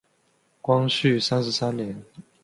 光绪三十三年。